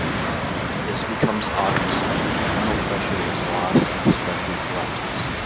This becomes obvious when internal pressure is lost and the structure collapses.